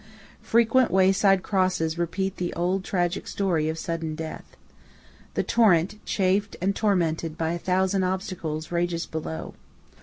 Frequent wayside crosses repeat the old tragic story of sudden death. The torrent, chafed and tormented by a thousand obstacles, rages below.